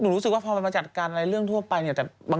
รู้สึกว่าพอมันมาจัดการอะไรเรื่องทั่วไปเนี่ย